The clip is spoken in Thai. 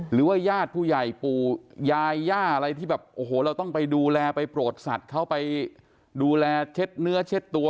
หรือว่าญาติผู้ใหญ่ปู่ยายย่าอะไรที่แบบโอ้โหเราต้องไปดูแลไปโปรดสัตว์เขาไปดูแลเช็ดเนื้อเช็ดตัว